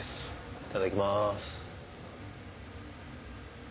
いただきます。